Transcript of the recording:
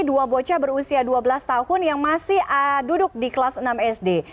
dua bocah berusia dua belas tahun yang masih duduk di kelas enam sd